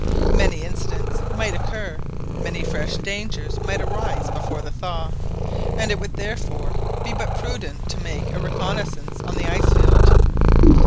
Many incidents might occur, many fresh dangers might arise before the thaw, and it would therefore be but prudent to make a reconnaissance on the ice field.